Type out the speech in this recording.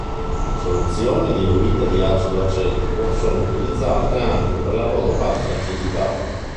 Soluzioni diluite di acido acetico sono utilizzate anche per la loro bassa acidità.